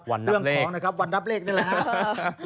วันนับเลขวันนับเลขนี่แหละครับ